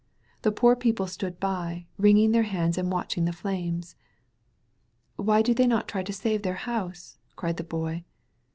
The poor people stood by» wringing their hands and watching the flames. "Why do they not try to save their house?" cried the Boy.